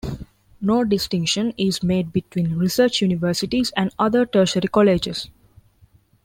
No distinction is made between research universities and other tertiary colleges.